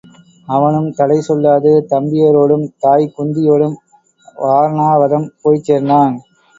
அவனும் தடை சொல்லாது தம்பியரோடும் தாய் குந்தி யோடும் வாரணாவதம் போய்ச்சேர்ந்தான்.